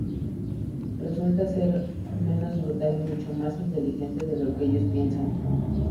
Resulta ser menos brutal y mucho más inteligente de lo que ellos piensan.